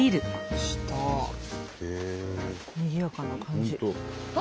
にぎやかな感じ。